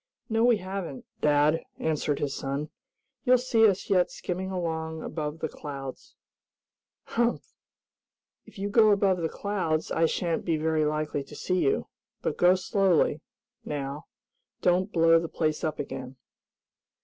"No we haven't, dad," answered his son. "You'll see us yet skimming along above the clouds." "Humph! If you go above the clouds I shan't be very likely to see you. But go slowly, now. Don't blow the place up again."